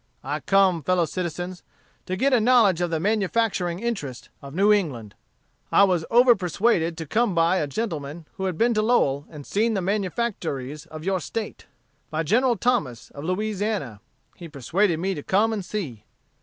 I come, fellow citizens, to get a knowledge of the manufacturing interest of New England. I was over persuaded to come by a gentleman who had been to Lowell and seen the manufactories of your State by General Thomas, of Louisiana. He persuaded me to come and see.